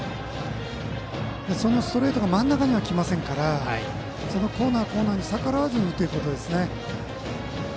そのストレートは真ん中には来ませんからコーナー、コーナーに逆らわずに打つことですね。